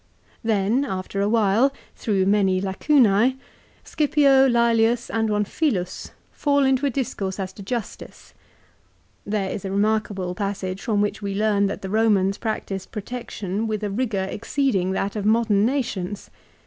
Then after a while, through many " Lacunae," Scipio, Lselius, and one Philus, fall into a discourse as to justice. There is a remarkable passage from which we learn that the Romans practised protection with a rigour exceeding that of modern nations.